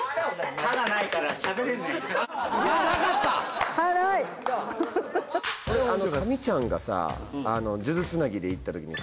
カミちゃんがさ数珠つなぎで行った時にさ